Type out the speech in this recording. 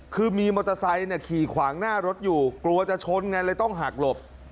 คือมีมอเตอร์ไซค์ขี่ขวางหน้ารถอยู่กลัวจะชนไงเลยต้องหักหลบ